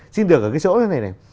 xin được ở cái chỗ này này